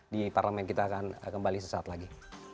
di parlemen kita akan kembali sesaat lagi